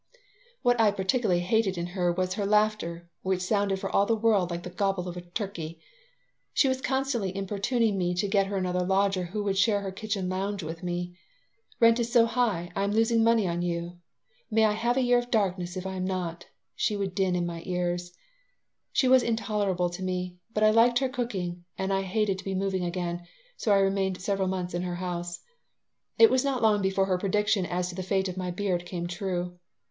What I particularly hated in her was her laughter, which sounded for all the world like the gobble of a turkey She was constantly importuning me to get her another lodger who would share her kitchen lounge with me "Rent is so high, I am losing money on you. May I have a year of darkness if I am not," she would din in my ears She was intolerable to me, but I liked her cooking and I hated to be moving again, so I remained several months in her house It was not long before her prediction as to the fate of my beard came true.